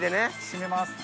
締めます。